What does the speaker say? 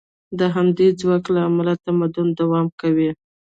د همدې ځواک له امله تمدن دوام کوي.